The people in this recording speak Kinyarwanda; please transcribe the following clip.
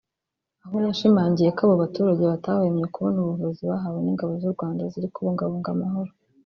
aho yashimangiye ko abo baturage batahwemye kubona ubuvuzi bahawe n’ ingabo z’u Rwanda ziri kubungabunga amahoro